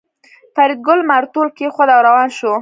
فریدګل مارتول کېښود او روان شو